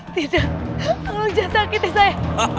tidak tolong jangan sakiti saya